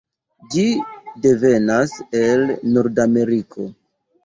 Ĝi devenas el nordameriko.